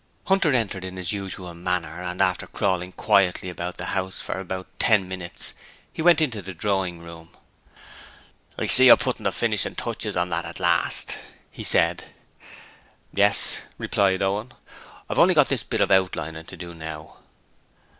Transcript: Hunter entered in his usual manner and, after crawling quietly about the house for about ten minutes, he went into the drawing room. 'I see you're putting the finishing touches on at last,' he said. 'Yes,' replied Owen. 'I've only got this bit of outlining to do now.'